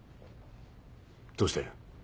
どうして？